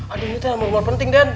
aduh ini tuh nomor nomor penting kan